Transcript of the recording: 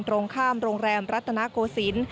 ตรงข้ามโรงแรมรัฐนาโกศิลป์